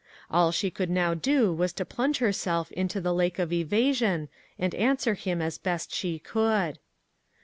All she could now do was to plunge herself into the lake of evasion and answer him as best she could.